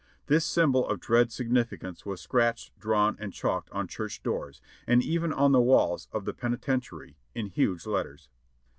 This symbol of dread significance was scratched, drawn and chalked on church doors, and even on the walls of the penitentiary, in huge letters.